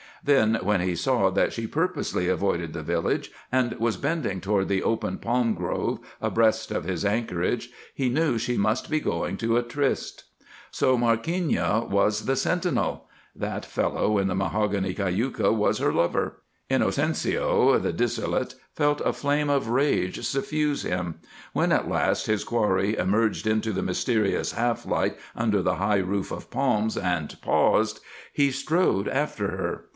Then, when he saw that she purposely avoided the village and was bending toward the open palm grove abreast of his anchorage, he knew she must be going to a tryst. So Markeeña was the sentinel! That fellow in the mahogany cayuca was her lover! Inocencio, the dissolute, felt a flame of rage suffuse him. When, at last, his quarry emerged into the mysterious half light under the high roof of palms, and paused, he strode after her.